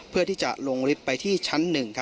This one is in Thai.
เพื่อที่จะลงริบไปในชั้น๑